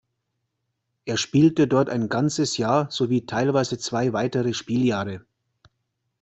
Er spielte dort ein ganzes Jahr sowie teilweise zwei weitere Spieljahre.